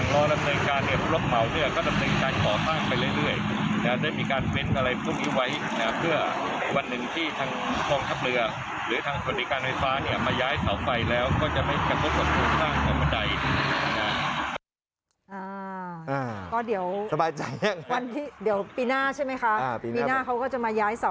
อันนี้เดชต์กว่าสายไฟคุยเยอะ